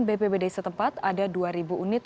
bpbd setempat ada dua ribu unit